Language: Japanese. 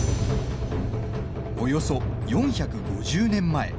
およそ４５０年前。